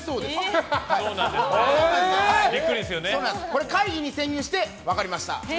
これ、会議に潜入して分かりました。